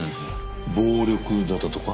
暴力沙汰とか？